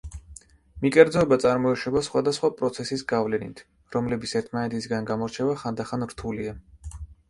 მიკერძოება წარმოიშობა სხვადასხვა პროცესის გავლენით, რომლების ერთმანეთისგან გამორჩევა ხანდახან რთულია.